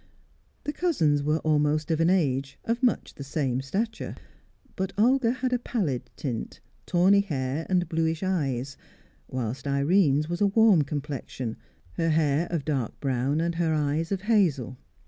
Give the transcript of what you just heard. The cousins were almost of an age, of much the same stature; but Olga had a pallid tint, tawny hair, and bluish eyes, whilst Irene's was a warm complexion, her hair of dark brown, and her eyes of hazel.